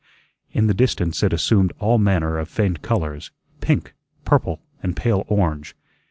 In the distance it assumed all manner of faint colors, pink, purple, and pale orange.